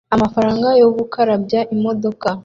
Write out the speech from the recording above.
amafaranga yo gukarabya imodoka